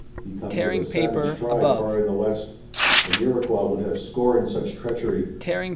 He comes of a savage tribe far in the west. An Iroquois would have scorned such treachery."